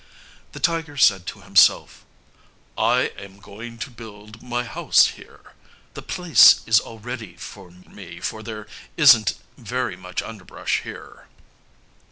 The tiger said to himself, "I am going to build my house here. The place is all ready for me for there isn't very much underbrush here."